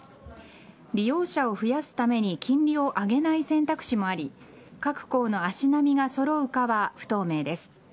利用者を増やすために金利を上げない選択肢もあり各行の足並みが揃うかは不透明です。